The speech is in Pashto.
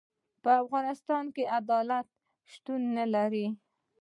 په افغانستان کي عدالت شتون نلري.